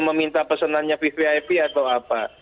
meminta pesanannya vvip atau apa